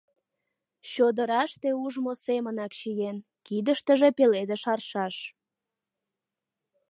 Чодыраште ужмо семынак чиен, кидыштыже пеледыш аршаш.